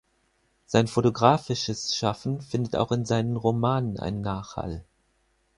Sein fotografisches Schaffen findet auch in seinen Romanen einen Nachhall.